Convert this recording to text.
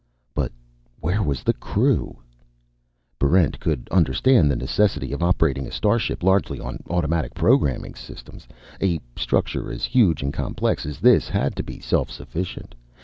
But where was the crew? Barrent could understand the necessity of operating a starship largely on an automatic programming system. A structure as huge and complex as this had to be self sufficient.